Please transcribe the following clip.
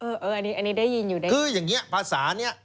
เอออันนี้ได้ยินอยู่ด้วยคืออย่างนี้ภาษานี้